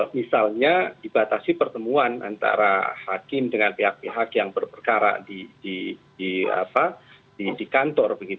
misalnya dibatasi pertemuan antara hakim dengan pihak pihak yang berperkara di kantor